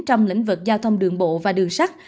trong lĩnh vực giao thông đường bộ và đường sắt